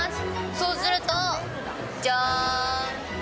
そうすると、じゃーん！